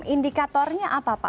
indikatornya apa pak